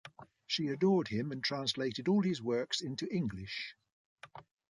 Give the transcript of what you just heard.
She adored him and translated all his works into English.